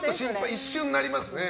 一瞬なりますね。